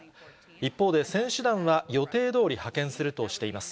一方で選手団は予定どおり派遣するとしています。